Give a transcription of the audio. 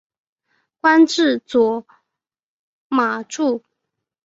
官至左马助。